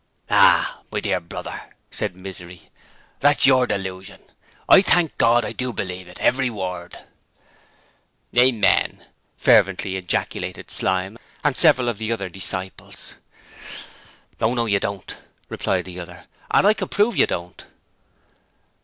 'Ah, my dear brother,' said Misery. 'That's your delusion. I thank God I do believe it, every word!' 'Amen,' fervently ejaculated Slyme and several of the other disciples. 'Oh no, you don't,' replied the other. 'And I can prove you don't.'